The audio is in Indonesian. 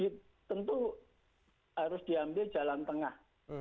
tentu harus diambil jalan tengah